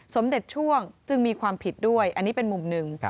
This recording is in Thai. สมเด็จช่วงจึงมีความผิดด้วยอันนี้เป็นมุมหนึ่ง